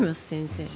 先生。